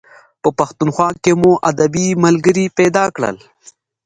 په پښتونخوا کې مو ادبي ملګري پیدا کړل.